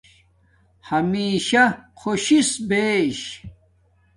ہمشہ خوشش بیش